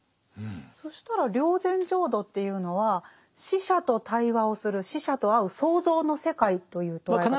そしたら霊山浄土っていうのは死者と対話をする死者と会う想像の世界という捉え方で合ってますか？